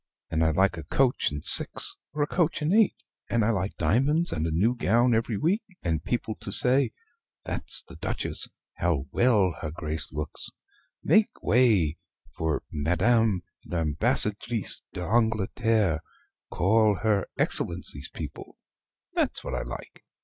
and I like a coach and six or a coach and eight; and I like diamonds, and a new gown every week; and people to say 'That's the Duchess How well her Grace looks Make way for Madame l'Ambassadrice d'Angleterre Call her Excellency's people' that's what I like.